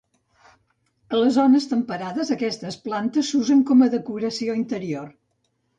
A les zones temperades aquestes plantes s'usen com a decoració interior.